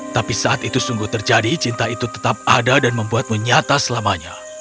tapi saat itu sungguh terjadi cinta itu tetap ada dan membuat menyata selamanya